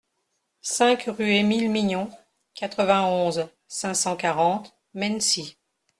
cinq rue Émile Mignon, quatre-vingt-onze, cinq cent quarante, Mennecy